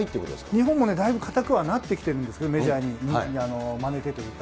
日本もね、だいぶ硬くはなってきているとは思うんですけどね、メジャーにまねてというか。